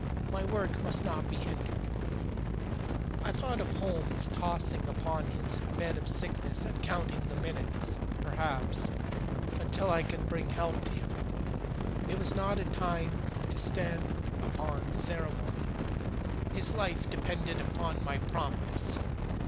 My work must not be hindered." I thought of Holmes tossing upon his bed of sickness and counting the minutes, perhaps, until I could bring help to him. It was not a time to stand upon ceremony. His life depended upon my promptness.